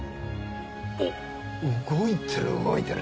おっ動いてる動いてる。